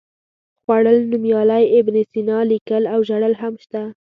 خوړل، نومیالی، ابن سینا، لیکل او ژړل هم شته.